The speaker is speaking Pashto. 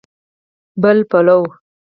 بل پلو